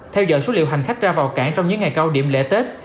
theo dõi số lượng hành khách ra vào cảng trong những ngày cao điểm lễ tết